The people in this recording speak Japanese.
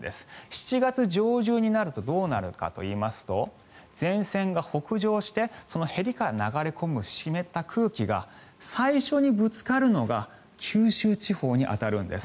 ７月上旬になるとどうなるかといいますと前線が北上してへりから流れ込む湿った空気が最初にぶつかるのが九州地方に当たるんです。